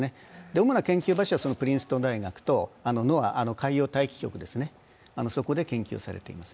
主な研究場所はプリンストン大学と海洋大気局で研究されています。